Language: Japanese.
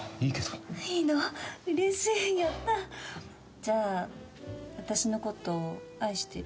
じゃあ私のこと愛してる？